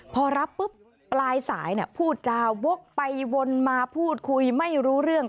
พอรับปุ๊บปลายสายพูดจาวกไปวนมาพูดคุยไม่รู้เรื่อง